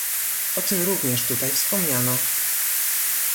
O tym również tutaj wspominano